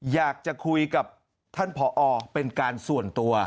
อยากจะคุยกับท่านผอเป็นการส่วนตัว